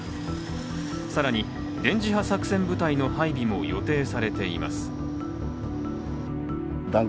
更に電磁波作戦部隊の配備も予定されています。